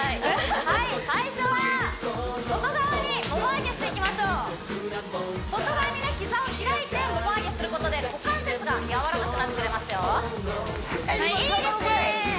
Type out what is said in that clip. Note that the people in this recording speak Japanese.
はい最初は外側にもも上げしていきましょう外側にね膝を開いてもも上げすることで股関節が柔らかくなってくれますよエビバディ頑張ろうぜいいですね